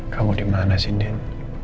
kamu dimana sih din